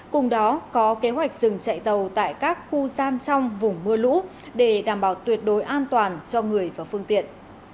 cùng đó có kế hoạch dừng chạy tàu tại các khu gian trong vùng mưa lũ để đảm bảo tuyệt đối an toàn cho người và phương tiện